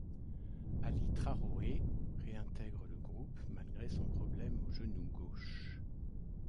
Ali Traroé réintègre le groupe malgré son problème au genou gauche.